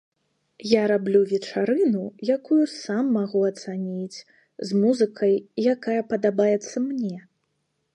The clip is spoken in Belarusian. Я раблю вечарыну, якую сам магу ацаніць, з музыкай, якая падабаецца мне.